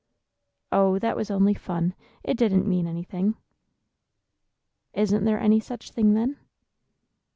"Oh, that was only fun! It didn't mean anything." "Isn't there any such thing, then?"